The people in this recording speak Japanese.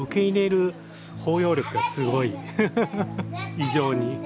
異常に。